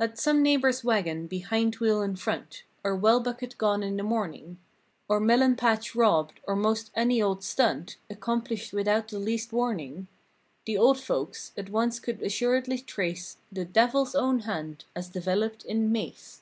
Let some neighbor's wagon be hind wheel in front. Or well bucket gone in the morning ; Or melon patch robbed, or most any old stunt Accomplished without the least warning— The old folks, at once could assuredly trace The "devils own hand" as developed in "Mase."